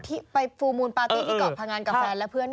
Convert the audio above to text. ที่ไปฟูลมูลปาร์ตี้ที่เกาะพงันกับแฟนและเพื่อน